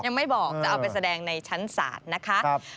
จะเอาไปแสดงในชั้นสารนะคะ